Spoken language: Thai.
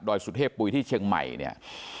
นอยสุทธิปุ๋ยที่เชียงใหม่เนี่ย